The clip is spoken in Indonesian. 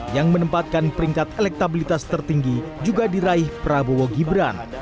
yang menempatkan peringkat elektabilitas tertinggi juga diraih prabowo gibran